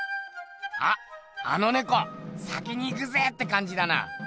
あっあの猫「先に行くぜ！」ってかんじだな。